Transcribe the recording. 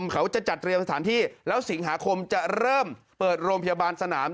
เขาจะจัดเตรียมสถานที่แล้วสิงหาคมจะเริ่มเปิดโรงพยาบาลสนาม